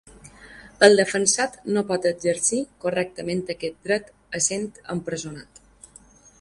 El defensat no pot exercir correctament aquest dret essent empresonat.